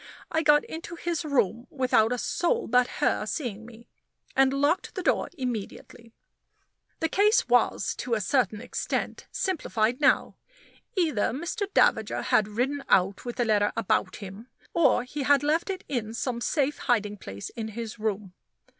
I got into his room without a soul but her seeing me, and locked the door immediately. The case was, to a certain extent, simplified now. Either Mr. Davager had ridden out with the letter about him, or he had left it in some safe hiding place in his room.